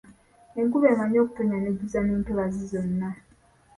Enkuba emanyi okutonnya n'ejjuza n'entobazi zonna.